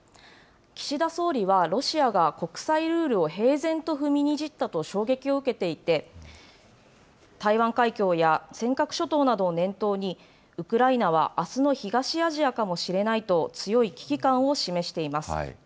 岸田総理は、ロシアが国際ルールを平然と踏みにじったと衝撃を受けていて、台湾海峡や尖閣諸島などを念頭に、ウクライナはあすの東アジアかもしれないと、強い危機感を示しています。